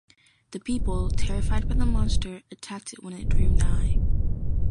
The people, terrified by the monster, attacked it when it drew nigh.